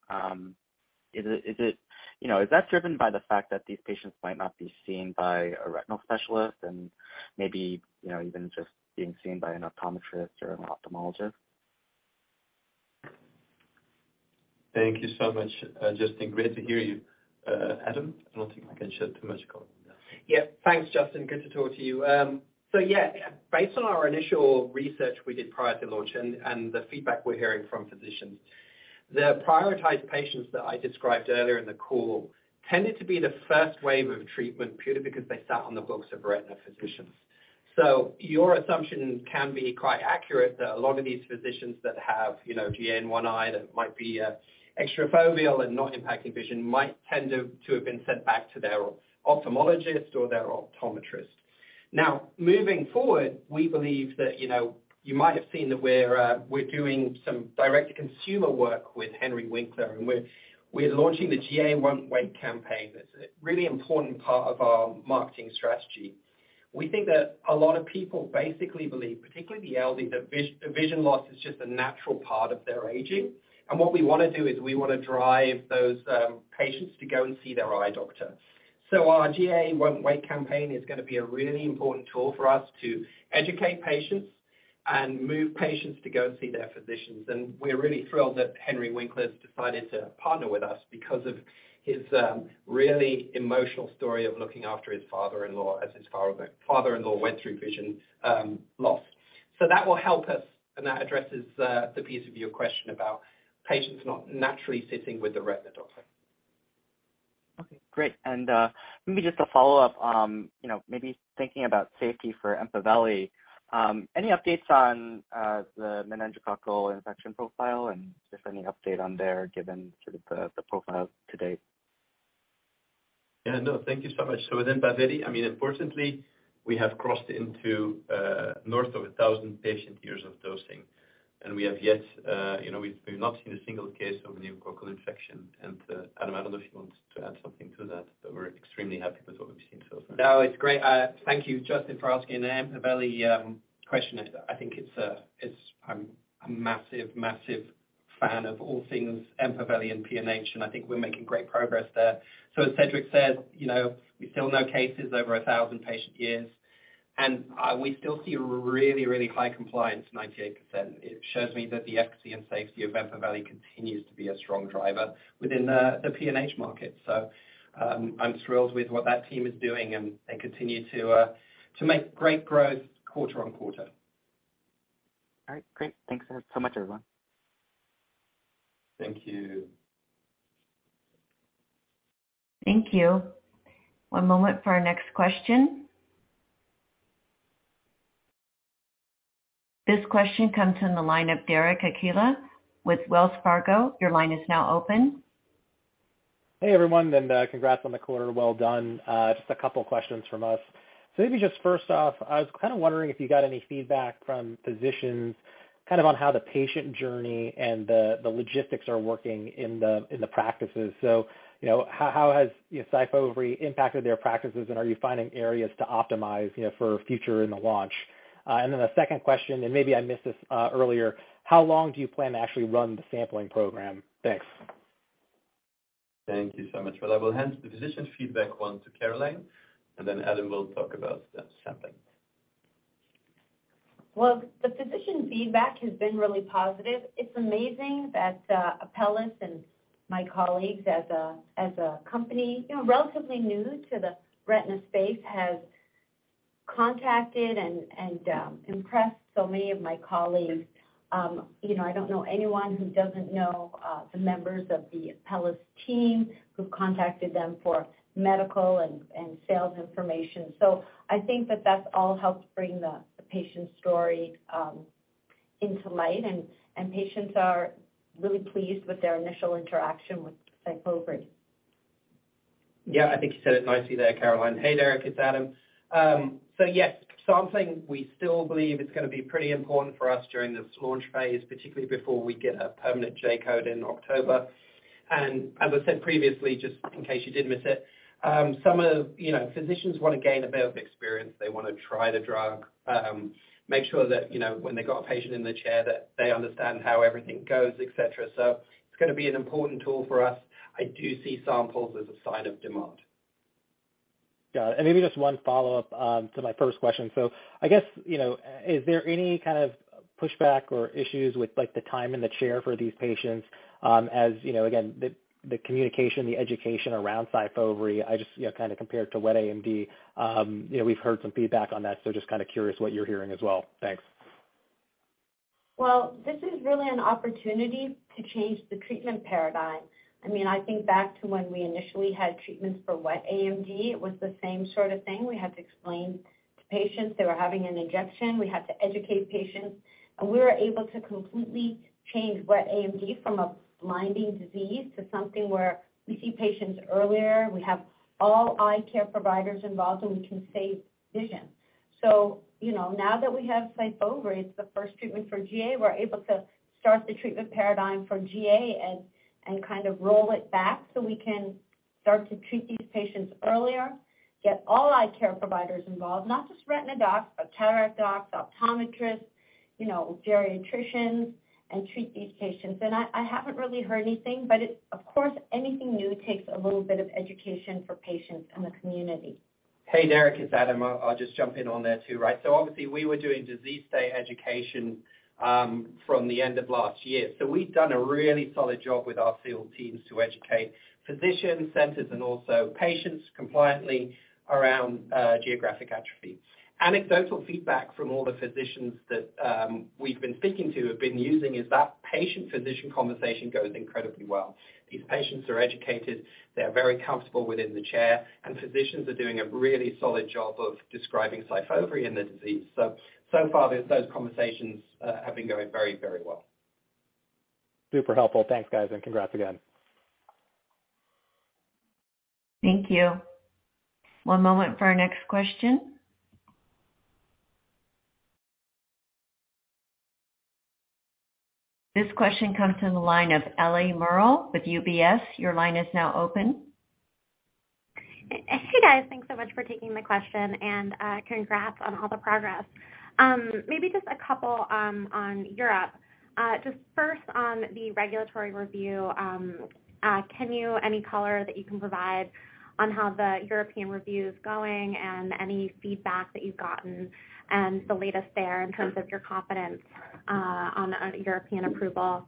Is it, you know, is that driven by the fact that these patients might not be seen by a retinal specialist and maybe, you know, even just being seen by an optometrist or an ophthalmologist? Thank you so much, Justin. Great to hear you. Adam, I don't think I can shed too much color on that. Yeah. Thanks, Justin. Good to talk to you. Yeah, based on our initial research we did prior to launch and the feedback we're hearing from physicians, the prioritized patients that I described earlier in the call tended to be the first wave of treatment purely because they sat on the books of retina physicians. Your assumption can be quite accurate, that a lot of these physicians that have, you know, GA in one eye that might be extra foveal and not impacting vision, might tend to have been sent back to their ophthalmologist or their optometrist. Now, moving forward, we believe that, you know, you might have seen that we're doing some direct-to-consumer work with Henry Winkler, and we're launching the GA Won't Wait campaign. That's a really important part of our marketing strategy. We think that a lot of people basically believe, particularly the elderly, that vision loss is just a natural part of their aging. What we wanna do is we wanna drive those patients to go and see their eye doctor. Our GA Won't Wait campaign is gonna be a really important tool for us to educate patients and move patients to go see their physicians. We're really thrilled that Henry Winkler's decided to partner with us because of his really emotional story of looking after his father-in-law as his father-in-law went through vision loss. That will help us, and that addresses the piece of your question about patients not naturally sitting with a retina doctor. Okay, great. Maybe just a follow-up, you know, maybe thinking about safety for Empaveli. Any updates on the meningococcal infection profile, and just any update on there given sort of the profile to date? No, thank you so much. With Empaveli, I mean, unfortunately, we have crossed into north of 1,000 patient years of dosing, and we have yet, you know, we've not seen a single case of pneumococcal infection. Adam, I don't know if you want to add something to that, but we're extremely happy with what we've seen so far. No, it's great. Thank you, Justin, for asking an Empaveli question. I think it's a, I'm a massive fan of all things Empaveli and PNH, and I think we're making great progress there. As Cedric said, you know, we still no cases over 1,000 patient years. We still see really high compliance, 98%. It shows me that the efficacy and safety of Empaveli continues to be a strong driver within the PNH market. I'm thrilled with what that team is doing, and they continue to make great growth quarter-on-quarter. All right. Great. Thanks so much everyone. Thank you. Thank you. One moment for our next question. This question comes from the line of Derek Archila with Wells Fargo. Your line is now open. Hey, everyone, congrats on the quarter. Well done. Just a couple questions from us. Maybe just first off, I was kind of wondering if you got any feedback from physicians kind of on how the patient journey and the logistics are working in the practices. You know, how has, you know, SYFOVRE impacted their practices, and are you finding areas to optimize, you know, for future in the launch? Then the second question, and maybe I missed this earlier, how long do you plan to actually run the sampling program? Thanks. Thank you so much. Well, I will hand the physician feedback one to Caroline, and then Adam will talk about the sampling. Well, the physician feedback has been really positive. It's amazing that Apellis and my colleagues as a company, you know, relatively new to the retina space, have contacted and impressed so many of my colleagues. You know, I don't know anyone who doesn't know the members of the Apellis team who've contacted them for medical and sales information. I think that that's all helped bring the patient's story into light, and patients are really pleased with their initial interaction with SYFOVRE. Yeah. I think you said it nicely there, Caroline. Hey, Derek, it's Adam. Yes, sampling we still believe is gonna be pretty important for us during this launch phase, particularly before we get a permanent J-code in October. As I said previously, just in case you did miss it, some of, you know, physicians wanna gain a bit of experience. They wanna try the drug, make sure that, you know, when they've got a patient in the chair that they understand how everything goes, et cetera. It's gonna be an important tool for us. I do see samples as a sign of demand. Got it. Maybe just one follow-up to my first question. I guess, you know, is there any kind of pushback or issues with like, the time in the chair for these patients, as you know, again, the communication, the education around SYFOVRE? I just, you know, kind of compared to wet AMD. You know, we've heard some feedback on that, so just kind of curious what you're hearing as well. Thanks. Well, this is really an opportunity to change the treatment paradigm. I mean, I think back to when we initially had treatments for wet AMD, it was the same sort of thing. We had to explain to patients they were having an injection. We had to educate patients. We were able to completely change wet AMD from a blinding disease to something where we see patients earlier, we have all eye care providers involved, and we can save vision. You know, now that we have SYFOVRE, it's the first treatment for GA, we're able to start the treatment paradigm for GA and kind of roll it back so we can start to treat these patients earlier, get all eye care providers involved, not just retina docs, but cataract docs, optometrists, you know, geriatricians, and treat these patients. I haven't really heard anything, but it of course, anything new takes a little bit of education for patients and the community. Hey, Derek, it's Adam. I'll just jump in on there too, right? Obviously we were doing disease day education from the end of last year. We've done a really solid job with our field teams to educate physician centers and also patients compliantly around geographic atrophy. Anecdotal feedback from all the physicians that we've been speaking to have been using is that patient-physician conversation goes incredibly well. These patients are educated, they're very comfortable within the chair, and physicians are doing a really solid job of describing SYFOVRE and the disease. So far, those conversations have been going very, very well. Super helpful. Thanks, guys, and congrats again. Thank you. One moment for our next question. This question comes from the line of Ellie Merle with UBS. Your line is now open. Hey, guys. Thanks so much for taking my question, and congrats on all the progress. Maybe just a couple on Europe. Just first on the regulatory review, Any color that you can provide on how the European review is going and any feedback that you've gotten and the latest there in terms of your confidence on European approval?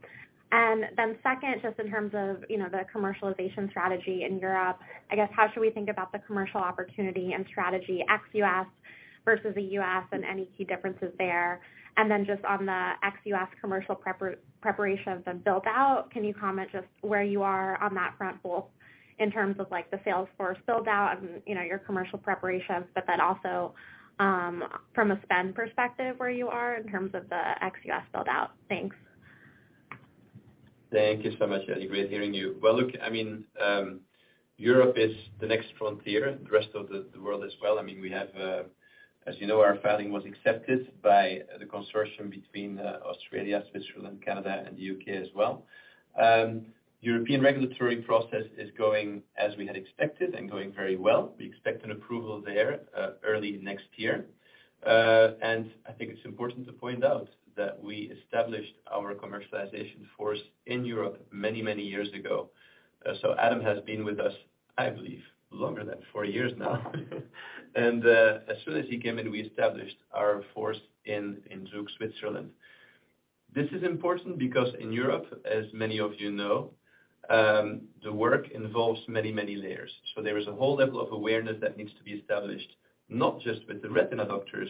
Second, just in terms of, you know, the commercialization strategy in Europe, I guess how should we think about the commercial opportunity and strategy ex-U.S. versus the U.S. and any key differences there? Just on the ex-U.S. commercial preparation and build-out, can you comment just where you are on that front, both in terms of like the sales force build-out and, you know, your commercial preparations, also from a spend perspective, where you are in terms of the ex-U.S. build-out? Thanks. Thank you so much, Ellie. Great hearing you. Well, look, I mean, Europe is the next frontier, the rest of the world as well. I mean, we have, as you know, our filing was accepted by the consortium between Australia, Switzerland, Canada, and the U.K. as well. European regulatory process is going as we had expected and going very well. We expect an approval there early next year. I think it's important to point out that we established our commercialization force in Europe many, many years ago. Adam has been with us, I believe, longer than four years now. As soon as he came in, we established our force in Zug, Switzerland. This is important because in Europe, as many of you know, the work involves many, many layers. There is a whole level of awareness that needs to be established, not just with the retina doctors,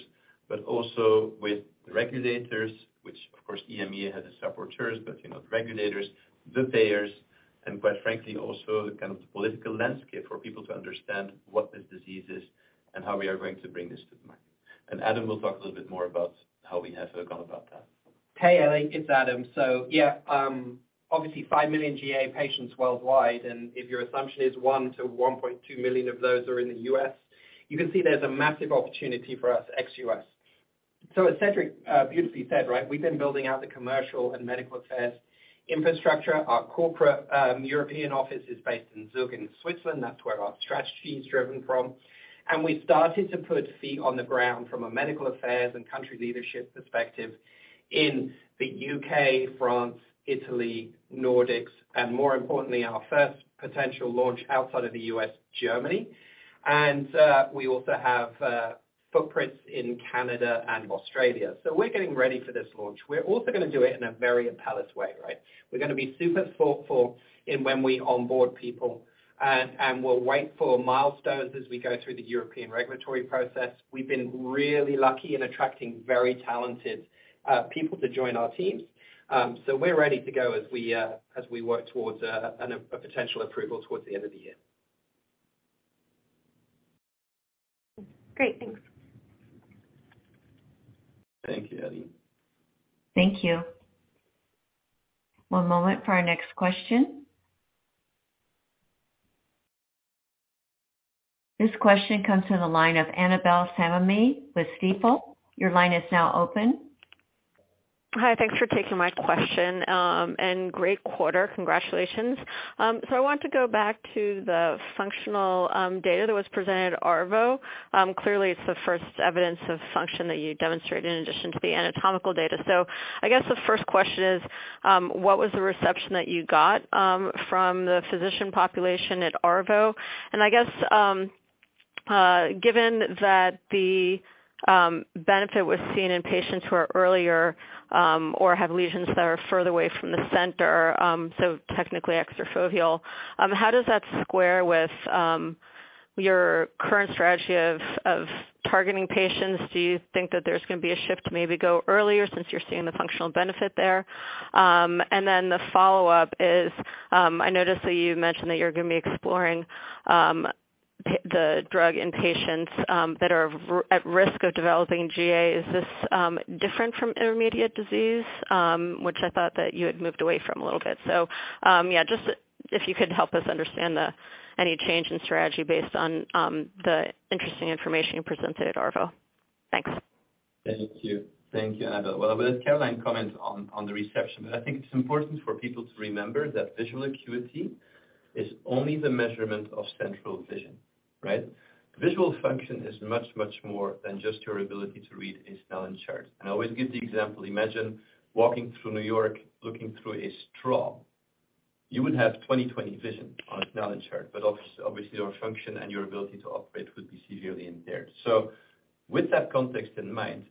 but also with the regulators, which of course EMEA has its supporters, but you know, the regulators, the payers, and quite frankly, also the kind of political landscape for people to understand what this disease is and how we are going to bring this to the market. Adam will talk a little bit more about how we have gone about that. Hey, Ellie. It's Adam. Yeah, obviously five million GA patients worldwide, and if your assumption is 1 million-1.2 million of those are in the U.S., you can see there's a massive opportunity for us ex-U.S. As Cedric beautifully said, right, we've been building out the commercial and medical affairs infrastructure. Our corporate European office is based in Zug in Switzerland. That's where our strategy is driven from. We started to put feet on the ground from a medical affairs and country leadership perspective in the U.K., France, Italy, Nordics, and more importantly, our first potential launch outside of the U.S., Germany. We also have footprints in Canada and Australia. We're getting ready for this launch. We're also gonna do it in a very Apellis way, right? We're gonna be super thoughtful in when we onboard people and we'll wait for milestones as we go through the European regulatory process. We've been really lucky in attracting very talented people to join our teams. We're ready to go as we work towards a potential approval towards the end of the year. Great. Thanks. Thank you, Ellie. Thank you. One moment for our next question. This question comes from the line of Annabel Samimy with Stifel. Your line is now open. Hi. Thanks for taking my question. Great quarter. Congratulations. I want to go back to the functional data that was presented at ARVO. Clearly it's the first evidence of function that you demonstrated in addition to the anatomical data. I guess the first question is, what was the reception that you got from the physician population at ARVO? I guess, given that the benefit was seen in patients who are earlier or have lesions that are further away from the center, technically extrafoveal, how does that square with your current strategy of targeting patients? Do you think that there's gonna be a shift to maybe go earlier since you're seeing the functional benefit there? The follow-up is, I noticed that you mentioned that you're gonna be exploring the drug in patients that are at risk of developing GA. Is this different from intermediate disease? Which I thought that you had moved away from a little bit. Yeah, just if you could help us understand the, any change in strategy based on the interesting information you presented at ARVO. Thanks. Thank you. Thank you, Annabel Samimy. I will let Caroline Baumal comment on the reception, I think it's important for people to remember that visual acuity is only the measurement of central vision, right? Visual function is much, much more than just your ability to read a Snellen chart. I always give the example, imagine walking through New York looking through a straw. You would have 20/20 vision on a Snellen chart, but obviously your function and your ability to operate would be severely impaired. With that context in mind,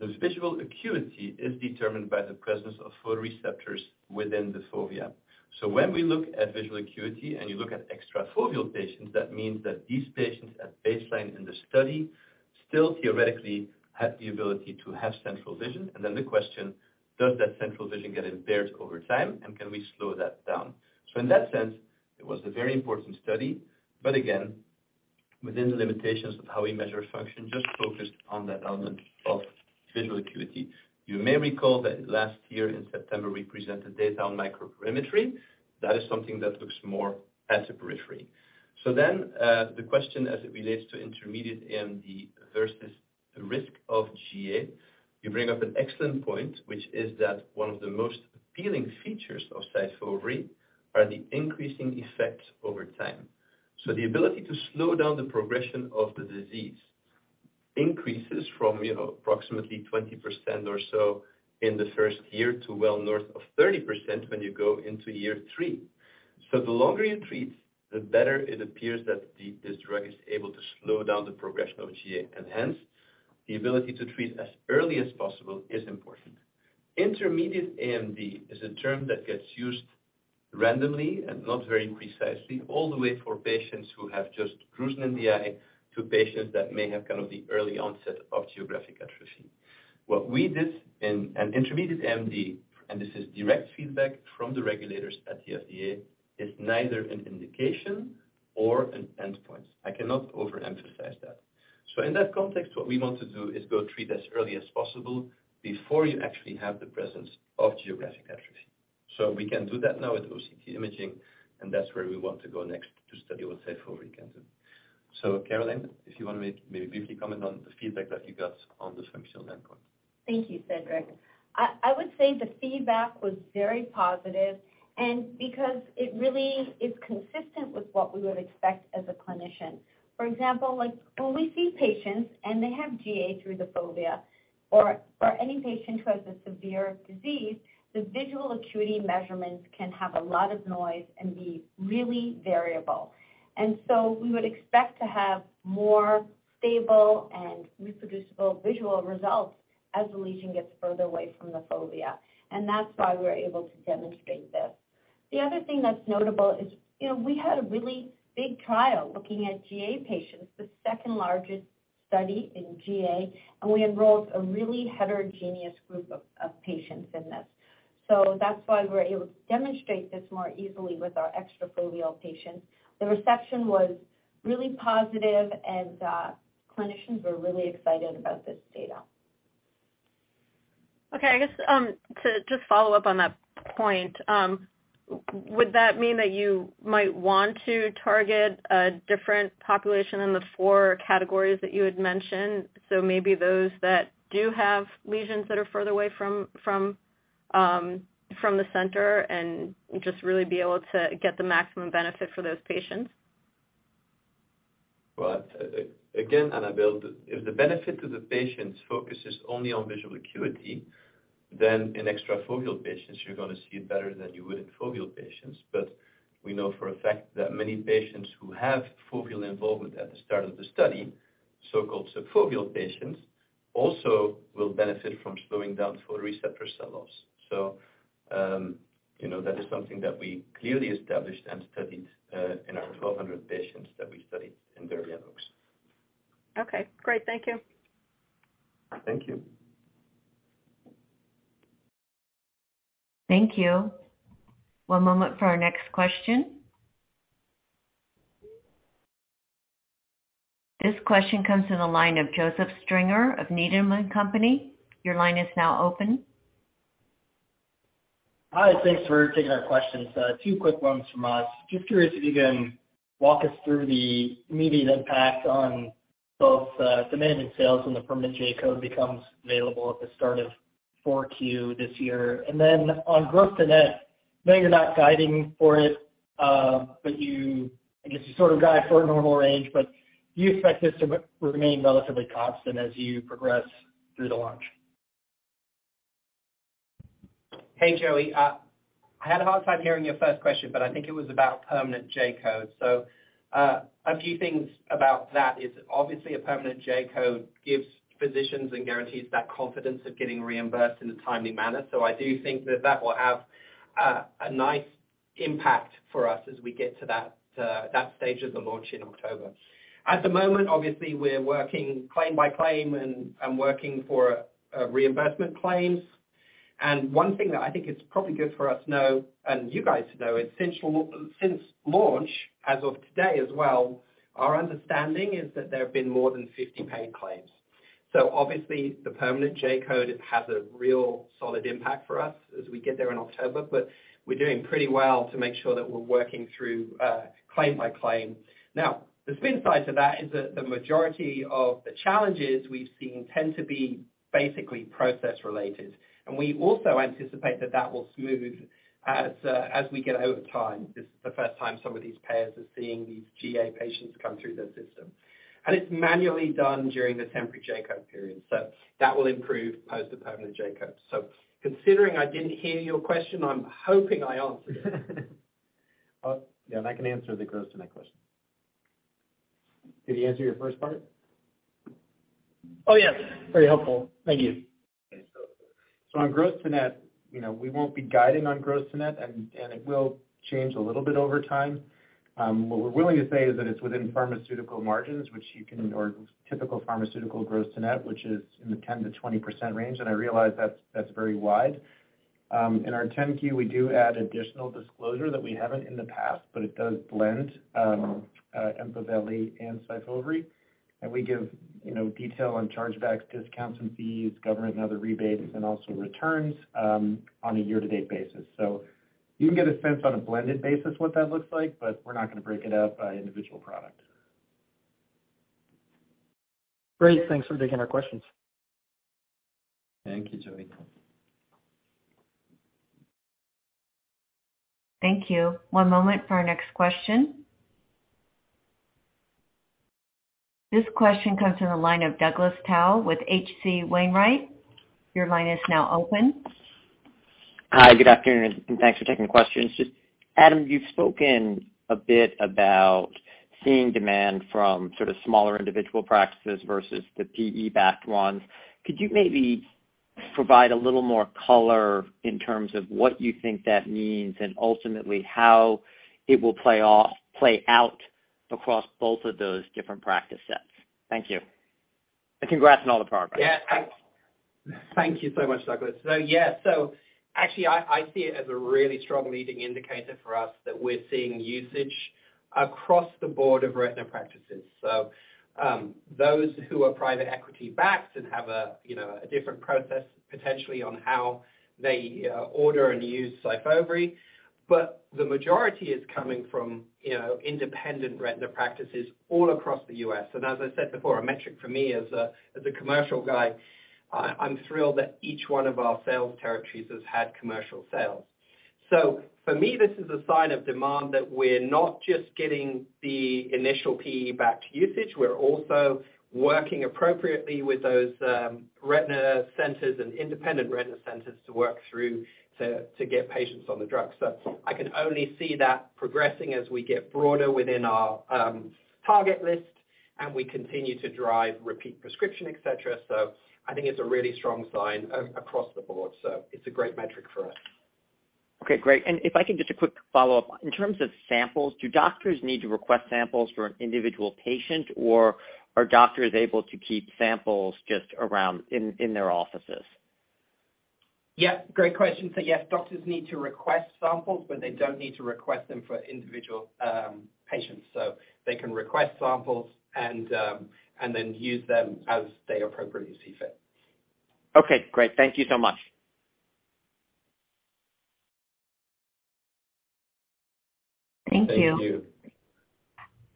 the visual acuity is determined by the presence of photoreceptors within the fovea. When we look at visual acuity and you look at extrafoveal patients, that means that these patients at baseline in the study still theoretically had the ability to have central vision. Then the question, does that central vision get impaired over time, and can we slow that down? In that sense, it was a very important study, but again, within the limitations of how we measure function, just focused on that element of visual acuity. You may recall that last year in September, we presented data on microperimetry. That is something that looks more at the periphery. Then, the question as it relates to intermediate AMD versus the risk of GA, you bring up an excellent point, which is that one of the most appealing features of SYFOVRE are the increasing effects over time. The ability to slow down the progression of the disease increases from, you know, approximately 20% or so in the first year to well north of 30% when you go into year 3. The longer you treat, the better it appears that this drug is able to slow down the progression of GA, and hence, the ability to treat as early as possible is important. Intermediate AMD is a term that gets used randomly and not very precisely all the way for patients who have just drusen in the eye to patients that may have kind of the early onset of geographic atrophy. What we did in an intermediate AMD, and this is direct feedback from the regulators at the FDA, is neither an indication or an endpoint. I cannot overemphasize that. In that context, what we want to do is go treat as early as possible before you actually have the presence of geographic atrophy. We can do that now with OCT imaging, and that's where we want to go next to study what SYFOVRE can do. Caroline, if you wanna briefly comment on the feedback that you got on this functional endpoint. Thank you, Cedric. I would say the feedback was very positive, because it really is consistent with what we would expect as a clinician. For example, like when we see patients and they have GA through the fovea or any patient who has a severe disease. The visual acuity measurements can have a lot of noise and be really variable. We would expect to have more stable and reproducible visual results as the lesion gets further away from the fovea, and that's why we're able to demonstrate this. The other thing that's notable is, you know, we had a really big trial looking at GA patients, the second-largest study in GA, and we enrolled a really heterogeneous group of patients in this. That's why we're able to demonstrate this more easily with our extrafoveal patients. The reception was really positive and clinicians were really excited about this data. I guess to just follow up on that point, would that mean that you might want to target a different population in the four categories that you had mentioned? Maybe those that do have lesions that are further away from the center and just really be able to get the maximum benefit for those patients? Well, again, Annabel, if the benefit to the patient's focus is only on visual acuity, then in extrafoveal patients you're gonna see it better than you would in foveal patients. We know for a fact that many patients who have foveal involvement at the start of the study, so-called subfoveal patients, also will benefit from slowing down photoreceptor cell loss. you know, that is something that we clearly established and studied in our 1,200 patients that we studied in DERBY and OAKS. Okay, great. Thank you. Thank you. Thank you. One moment for our next question. This question comes to the line of Joseph Stringer of Needham & Company. Your line is now open. Hi. Thanks for taking our questions. 2 quick ones from us. Just curious if you can walk us through the immediate impact on both demand and sales when the permanent J-code becomes available at the start of 4Q this year. On gross-to-net, I know you're not guiding for it, but you, I guess, you sort of guide for a normal range, but do you expect this to remain relatively constant as you progress through the launch? Hey, Joey. I had a hard time hearing your first question, but I think it was about permanent J-code. A few things about that is obviously a permanent J-code gives physicians and guarantees that confidence of getting reimbursed in a timely manner. I do think that that will have a nice impact for us as we get to that stage of the launch in October. At the moment, obviously we're working claim by claim and working for reimbursement claims. One thing that I think is probably good for us to know and you guys to know is since launch as of today as well, our understanding is that there have been more than 50 paid claims. Obviously the permanent J-code has a real solid impact for us as we get there in October, but we're doing pretty well to make sure that we're working through claim by claim. The spin side to that is that the majority of the challenges we've seen tend to be basically process related. We also anticipate that that will smooth as we get over time. This is the first time some of these payers are seeing these GA patients come through their system. It's manually done during the temporary J-code period, so that will improve post the permanent J-code. Considering I didn't hear your question, I'm hoping I answered it. Yeah, I can answer the gross-to-net question. Did he answer your first part? Oh, yes, very helpful. Thank you. Okay. On gross-to-net, you know, we won't be guiding on gross-to-net and it will change a little bit over time. What we're willing to say is that it's within pharmaceutical margins or typical pharmaceutical gross-to-net, which is in the 10%-20% range, and I realize that's very wide. In our Form 10-Q, we do add additional disclosure that we haven't in the past, but it does blend Empaveli and SYFOVRE. We give, you know, detail on chargebacks, discounts and fees, government and other rebates, and also returns on a year-to-date basis. You can get a sense on a blended basis what that looks like, but we're not gonna break it out by individual product. Great. Thanks for taking our questions. Thank you, Joseph. Thank you. One moment for our next question. This question comes from the line of Douglas Tsao with H.C. Wainwright. Your line is now open. Hi, good afternoon, and thanks for taking the questions. Just, Adam, you've spoken a bit about seeing demand from sort of smaller individual practices versus the PE-backed ones. Could you maybe provide a little more color in terms of what you think that means and ultimately how it will play out across both of those different practice sets? Thank you. Congrats on all the progress. Thank you so much, Douglas. Actually I see it as a really strong leading indicator for us that we're seeing usage across the board of retina practices. Those who are private equity-backed and have a, you know, a different process potentially on how they order and use SYFOVRE. The majority is coming from, you know, independent retina practices all across the U.S. As I said before, a metric for me as a, as a commercial guy, I'm thrilled that each one of our sales territories has had commercial sales. For me, this is a sign of demand that we're not just getting the initial PE-backed usage, we're also working appropriately with those retina centers and independent retina centers to work through to get patients on the drug. I can only see that progressing as we get broader within our, target list and we continue to drive repeat prescription, et cetera. I think it's a really strong sign across the board. It's a great metric for us. Okay, great. If I could get a quick follow-up. In terms of samples, do doctors need to request samples for an individual patient, or are doctors able to keep samples just around in their offices? Yeah, great question. Yes, doctors need to request samples, but they don't need to request them for individual patients. They can request samples and then use them as they appropriately see fit. Okay, great. Thank you so much. Thank you. Thank you.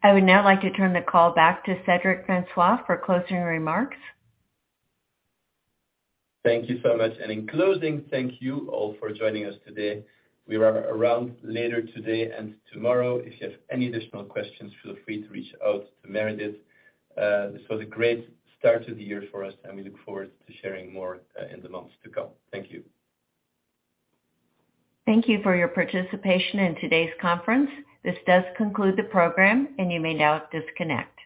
I would now like to turn the call back to Cedric Francois for closing remarks. Thank you so much. In closing, thank you all for joining us today. We are around later today and tomorrow. If you have any additional questions, feel free to reach out to Meredith. This was a great start to the year for us. We look forward to sharing more in the months to come. Thank you. Thank you for your participation in today's conference. This does conclude the program, and you may now disconnect.